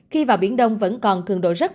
khi vào biển đông vẫn còn cường độ rất